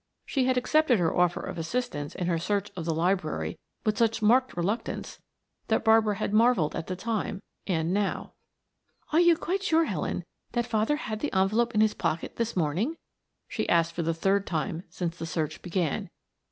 She had accepted her offer of assistance in her search of the library with such marked reluctance that Barbara had marveled at the time, and now... "Are you quite sure, Helen, that father had the envelope in his pocket this morning?" she asked for the third time since the search began.